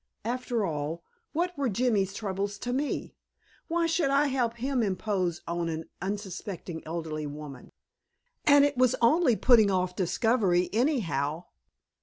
After all, what were Jimmy's troubles to me? Why should I help him impose on an unsuspecting elderly woman? And it was only putting off discovery anyhow.